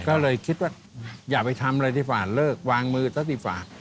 ก็เลยคิดว่าอย่าไปทำอะไรที่ฝ่าเลิกวางมือซะที่ฝ่า